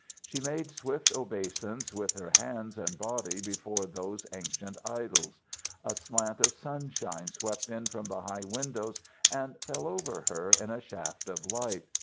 She made swift obeisance with her hands and body before those ancient idols. A slant of sunshine swept in from the high windows and fell over her in a shaft of light.